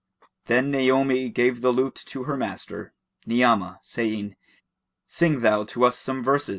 Then Naomi gave the lute to her master, Ni'amah, saying, "Sing thou to us some verse."